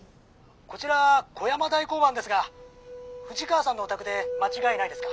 ☎こちら小山台交番ですが藤川さんのお宅で間違いないですか？